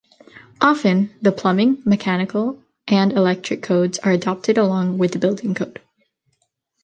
Often, the plumbing, mechanical, and electric codes are adopted along with the building code.